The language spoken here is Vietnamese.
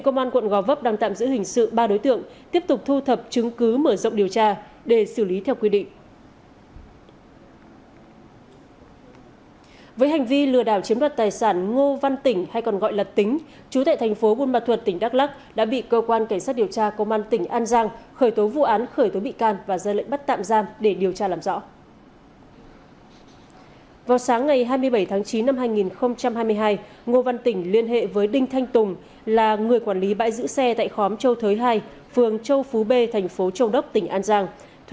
công an quận gò vấp tp hcm cho biết vừa khám phá nhanh vụ cướp giật tài sản và tiêu thụ tài sản